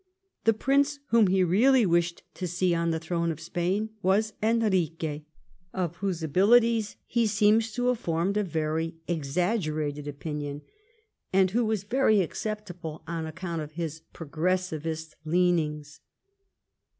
The prince whom he really wished to see on the throne of Spain was En rique, of whose abilities he seems to have formed a very exaggerated opinion, and who was very acceptable on account of his Progressist leanings.